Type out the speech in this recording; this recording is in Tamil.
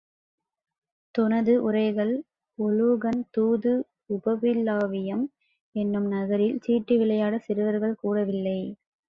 துனது உரைகள் உலூகன் தூது உபப்பிலாவியம் என்னும் நகரில் சீட்டு விளையாடச் சிறுவர்கள் கூடவில்லை.